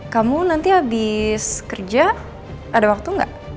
kamu nanti abis kerja ada waktu gak